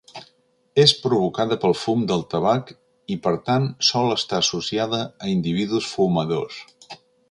És provocada pel fum del tabac i per tant sol estar associada a individus fumadors.